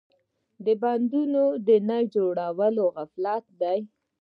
د بندونو نه جوړول غفلت دی.